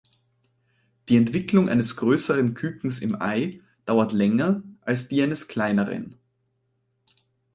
Die Entwicklung eines größeren Kükens im Ei dauert länger als die eines kleineren.